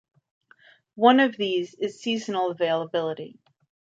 One of these is seasonal availability.